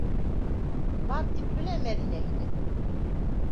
Бар тип белә Мәҙинә һине!